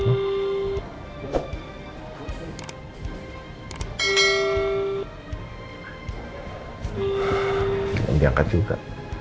tidak diangkat juga